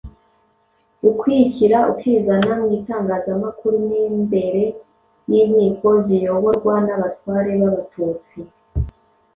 ukwishyira ukizana mw'itangazamakuru n'imbere y'inkiko ziyoborwa n'Abatware b'Abatutsi.